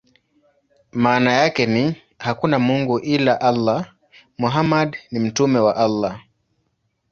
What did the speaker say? Maana yake ni: "Hakuna mungu ila Allah; Muhammad ni mtume wa Allah".